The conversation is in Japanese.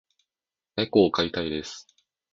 猫を飼いたいです。